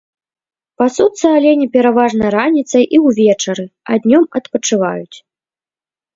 Пасуцца алені пераважна раніцай і ўвечары, а днём адпачываюць.